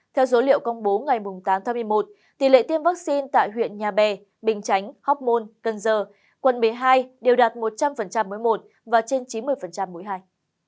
theo dấu liệu công bố ngày tám tháng một mươi một tỷ lệ tiêm vaccine tại huyện nhà bè bình chánh hóc môn cần giờ quận b hai đều đạt một trăm linh mũi một và trên chín mươi mũi hai